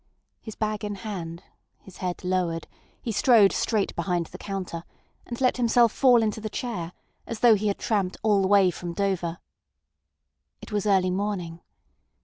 His bag in hand, his head lowered, he strode straight behind the counter, and let himself fall into the chair, as though he had tramped all the way from Dover. It was early morning.